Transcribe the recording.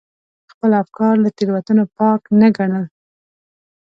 خپل افکار له تېروتنو پاک نه ګڼل.